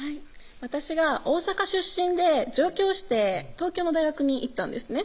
私が大阪出身で上京して東京の大学に行ったんですね